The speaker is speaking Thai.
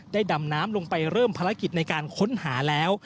ดำน้ำลงไปเริ่มภารกิจในการค้นหาแล้ว